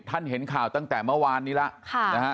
ท่านเห็นข่าวตั้งแต่เมื่อวานนี้ล่ะค่ะนะฮะ